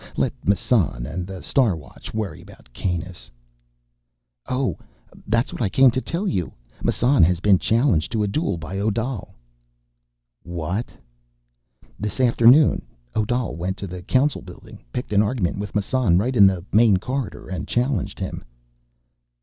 Let Massan and the Star Watch worry about Kanus." "Oh! That's what I came to tell you. Massan has been challenged to a duel by Odal!" "What?" "This afternoon, Odal went to the Council building. Picked an argument with Massan right in the main corridor and challenged him."